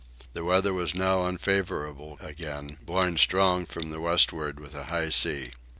The weather was now unfavourable again, blowing strong from the westward with a high sea.